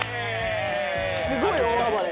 すごい大暴れ。